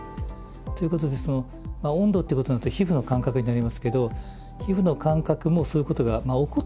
ということで温度ってことになると皮膚の感覚になりますけど皮膚の感覚もそういうことが起こってもおかしくはない。